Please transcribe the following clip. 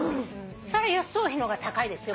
そりゃ輸送費の方が高いですよ